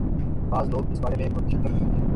بعض لوگ اس بارے میں متشکک ہیں۔